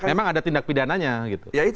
memang ada tindak pidananya gitu